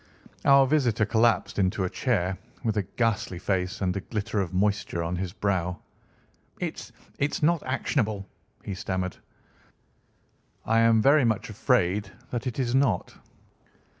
Our visitor collapsed into a chair, with a ghastly face and a glitter of moisture on his brow. "It—it's not actionable," he stammered. "I am very much afraid that it is not.